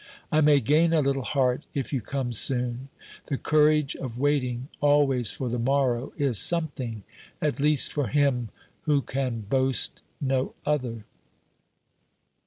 I may gain a little heart if you come soon ; the courage of waiting always for the morrow is something, at least for him who can boast no other.